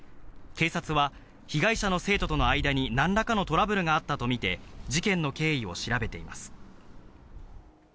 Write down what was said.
警察は、被害者の生徒との間に、なんらかのトラブルがあったと見て事件の経緯を調べています。